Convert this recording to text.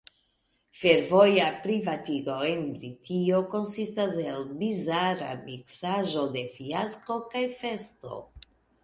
Fervoja privatigo en Britio konsistas el bizara miksaĵo de fiasko kaj festo.